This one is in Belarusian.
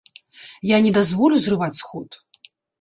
Я не дазволю зрываць сход!